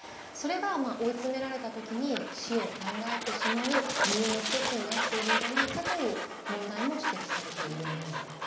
それが追い詰められた時に死を考えてしまう理由の一つになっているんじゃないかという問題も指摘されているんです。